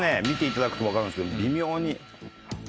見ていただくと分かるんですけど微妙に。